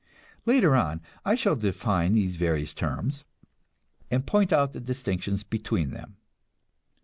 Later on I shall define these various terms, and point out the distinctions between them.